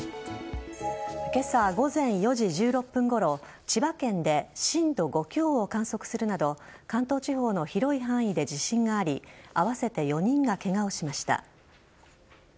今朝午前４時１６分ごろ千葉県で震度５強を観測するなど関東地方の広い範囲で地震があり合わせて４人がケガをしました。